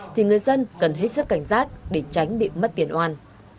thì người dân cần hết sức cảnh giác để tránh bị mất tiền oan